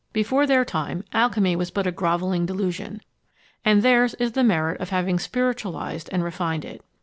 Before their time, alchymy was but a grovelling delusion; and theirs is the merit of having spiritualised and refined it.